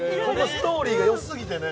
ストーリーが良すぎてね